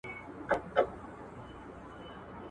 ¬ د ژوندو لاري د سخره دي.